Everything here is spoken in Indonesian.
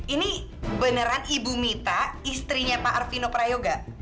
ini beneran ibu mita istrinya pak arfino prayoga